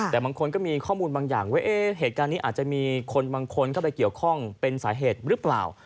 แต่บางคนก็มีข้อมูลบางอย่างว่าเหตุการณ์นี้อาจจะมีคนบางคนเข้าไปเกี่ยวข้องเป็นสาเหตุหรือเปล่า